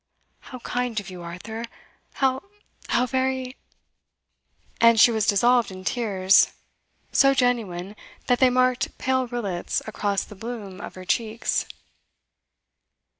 'How kind of you, Arthur! How how very ' And she was dissolved in tears so genuine, that they marked pale rillets across the bloom of her cheeks.